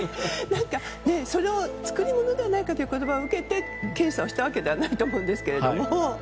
作りものではないかという言葉を受けて検査をしたわけではないと思うんですが。